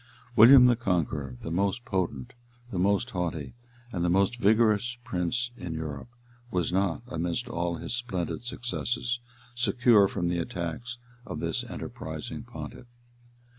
[] William the Conqueror, the most potent, the most haughty, and the most vigorous prince in Europe, was not, amidst all his splendid successes, secure from the attacks of this enterprising pontiff.